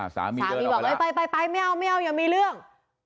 สามีบอกไปไม่เอาอย่ามีเรื่อง